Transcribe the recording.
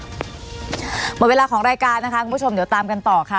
หมดเวลาของรายการนะคะคุณผู้ชมเดี๋ยวตามกันต่อค่ะ